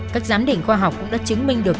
các giám định khoa học cũng đã chứng minh được